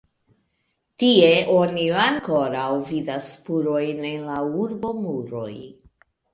Tie oni ankoraŭ vidas spurojn de la urbomuroj.